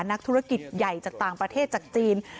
นักธุรกิจใหญ่จากต่างประเทศจากจีน